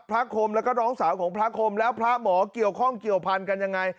คมแล้วก็น้องสาวของพระคมแล้วพระหมอเกี่ยวข้องเกี่ยวพันธุ์กันยังไง